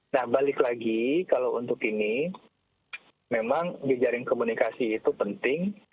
nah balik lagi kalau untuk ini memang jejaring komunikasi itu penting